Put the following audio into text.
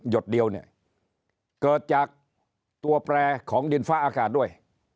ดเดียวเนี่ยเกิดจากตัวแปรของดินฟ้าอากาศด้วย